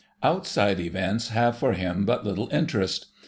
Outside events have for him but little interest.